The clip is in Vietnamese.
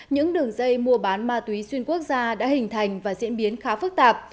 những đường dây mua bán ma túy xuyên quốc gia đã hình thành và diễn biến khá phức tạp